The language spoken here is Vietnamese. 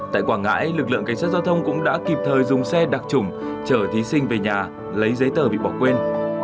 tại quảng ngãi lực lượng cảnh sát giao thông cũng đã kịp thời dùng xe đặc trủng chở thí sinh về nhà lấy giấy tờ bị bỏ quên